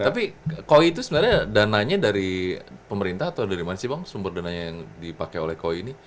tapi koi itu sebenarnya dananya dari pemerintah atau dari mana sih bang sumber dananya yang dipakai oleh koi ini